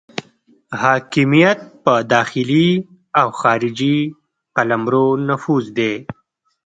حاکمیت په داخلي او خارجي قلمرو نفوذ دی.